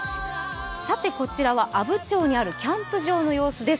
こちらは阿武町にあるキャンプ場の様子です。